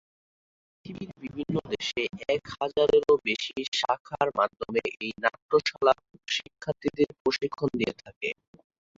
পৃথিবীর বিভিন্ন দেশে এক হাজারেরও বেশি শাখার মাধ্যমে এই নাট্যশালা শিক্ষার্থীদের প্রশিক্ষণ দিয়ে থাকে।